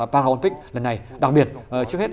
paralympic lần này đặc biệt trước hết